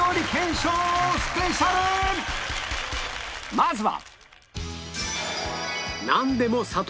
まずは